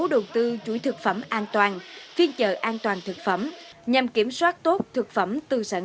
đầu tư chuỗi thực phẩm an toàn phiên chợ an toàn thực phẩm nhằm kiểm soát tốt thực phẩm từ sản